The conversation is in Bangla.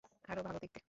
আরও ভালো দেখতে।